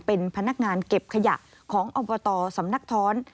เป็นพนักงานเก็บขยะของอบตสำนักท้อน